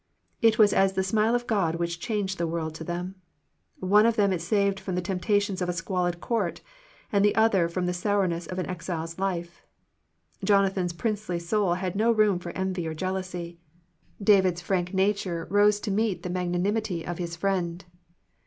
It was as the smile of God which changed the world to them. One of them it saved from the temptations of a squalid court, and the other from the sourness of an exile's life. Jonathan's princely soul had no room for envy or jealousy. David's frank nature 19 Digitized by VjOOQIC THE MIRACLE OF FRIENDSHIP rose to meet the magnanimity of his friend.